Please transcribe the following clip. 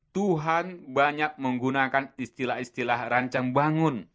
tuhan banyak menggunakan istilah istilah rancang bangun